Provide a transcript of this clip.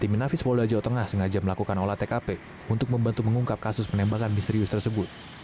tim inafis polda jawa tengah sengaja melakukan olah tkp untuk membantu mengungkap kasus penembakan misterius tersebut